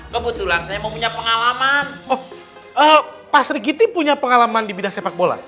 kebetulan saya mau punya pengalaman pasri gitu punya pengalaman di bidang sepak bola